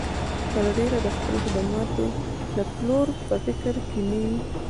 تر ډېره د خپلو خدماتو د پلور په فکر کې نه وي.